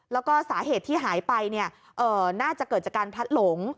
แล้วก็สาเหตุที่หายไปน่าจะเกิดจากการพลัดหลง